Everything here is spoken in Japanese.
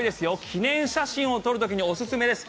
記念写真を撮る時におすすめです。